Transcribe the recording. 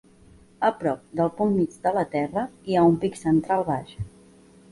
A prop del punt mig del terra, hi ha un pic central baix.